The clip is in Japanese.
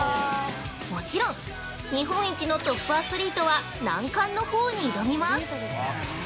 もちろん日本一のトップアスリートは難関のほうに挑みます！